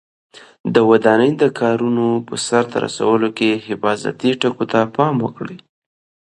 د ودانۍ د کارونو په سرته رسولو کې حفاظتي ټکو ته پام وکړئ.